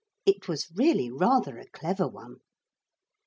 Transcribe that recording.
It was really rather a clever one.